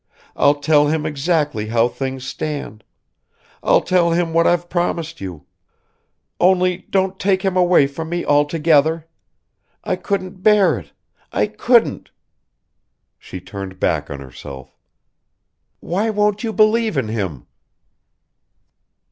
I'll tell him exactly how things stand. I'll tell him what I've promised you. Only don't take him away from me altogether. I couldn't bear it ... I couldn't." She turned back on herself. "Why won't you believe in him?"